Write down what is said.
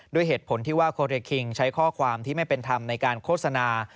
ด้วยเหตุผลที่ว่าโคเรคิงใช้ข้อความที่ไม่เป็นธรรมในการโฆษณา